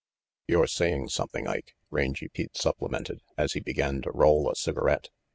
"You're saying something, Ike," Rangy Pete supplemented, as he began to roll a cigarette.